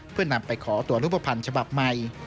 เพื่อนำไปขอตัวรูปภัณฑ์ฉบับใหม่